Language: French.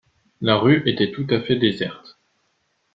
La rue était tout à fait déserte.